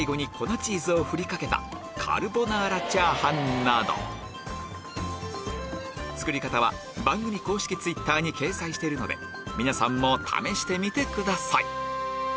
他にも作り方は番組公式Ｔｗｉｔｔｅｒに掲載しているので皆さんも試してみてください